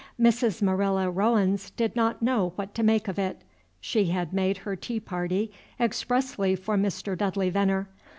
Mrs. Marilla Rowens did not know what to make of it. She had made her tea party expressly for Mr. Dudley Veneer.